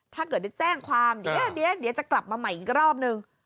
ถ้าเกิดได้แจ้งความเดี๋ยวจะกลับมาใหม่อีกรอบนึง